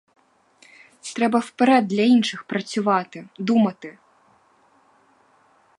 Треба вперед для інших працювати, думати.